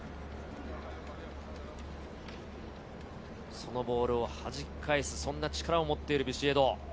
そのボールを弾き返す、そんな力を持っているビシエド。